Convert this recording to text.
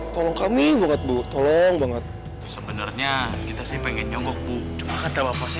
tolong kami banget bu tolong banget sebenarnya kita sih pengen nyonggok bu cuma kata apa sih